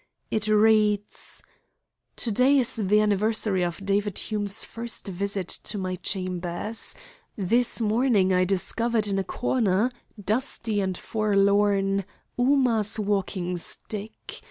It reads: "To day is the anniversary of David Hume's first visit to my chambers. This morning I discovered in a corner, dusty and forlorn, Ooma's walking stick.